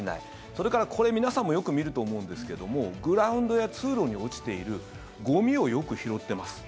それから、これ、皆さんもよく見ると思うんですけどもグラウンドや通路に落ちているゴミをよく拾ってます。